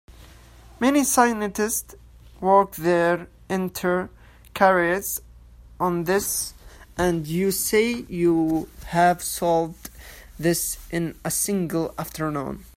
Many scientists work their entire careers on this, and you say you have solved this in a single afternoon?